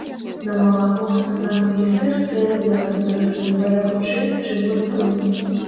На малако, смятану і сыр цэны зараз выраслі ўдвая хутчэй, чым год таму.